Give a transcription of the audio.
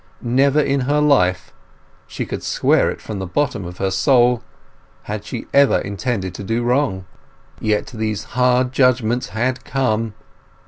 Never in her life—she could swear it from the bottom of her soul—had she ever intended to do wrong; yet these hard judgements had come.